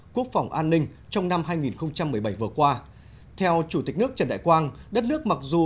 quốc phòng an ninh trong năm hai nghìn một mươi bảy vừa qua theo chủ tịch nước trần đại quang đất nước mặc dù